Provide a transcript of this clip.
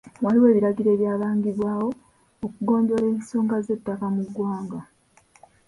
Waliwo ebiragiro ebyabagibwawo okugonjoola ensonga z'ettaka mu ggwanga.